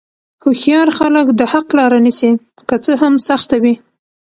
هوښیار خلک د حق لاره نیسي، که څه هم سخته وي.